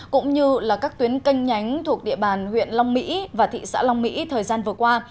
cũng như là các tuyến canh nhánh thuộc địa bàn huyện long mỹ và thị xã long mỹ thời gian vừa qua